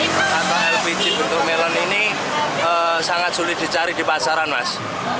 ternyata lpg bentuk melon ini sangat sulit dicari di pasaran mas